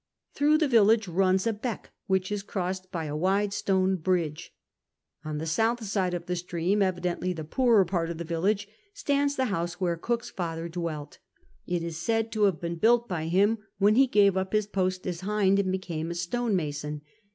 Through the village runs a beck, which is crossed by a wide stone bridge. On the south side of the stream, evidently the poorer part of the village, stands the lioiise where Cook's father dwelt. It is said to have been built by him, when he gave up his post as hind and became a stone mason.